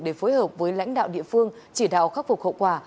để phối hợp với lãnh đạo địa phương chỉ đạo khắc phục hậu quả